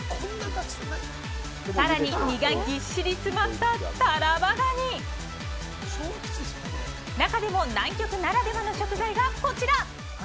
さらに、身がぎっしりつまったタラバガニ中でも、南極ならではの食材がこちら。